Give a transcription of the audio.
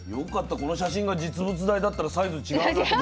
この写真が実物大だったらサイズ違うなってなるけど。